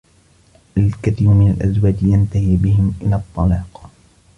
الكثير من الأزواج ينتهي بهم إلى الطلاق.